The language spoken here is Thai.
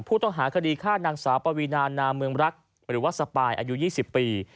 ผู้ต้องหาคดีฆ่านางสาวปวีนานาเมืองรักหรือว่าสปายอายุ๒๐ปี